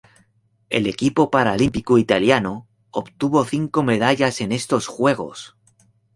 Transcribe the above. El equipo paralímpico italiano obtuvo cinco medallas en estos Juegos.